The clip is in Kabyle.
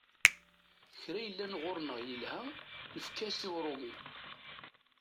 Kra yellan ɣur-neɣ yelha, nefka-as-t i Urumi.